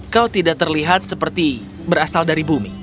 kau tidak terlihat seperti berasal dari bumi